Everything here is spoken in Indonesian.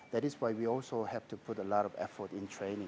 dan itu akan menjadi masalah perlindungan